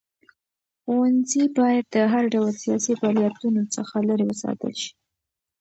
ښوونځي باید د هر ډول سیاسي فعالیتونو څخه لرې وساتل شي.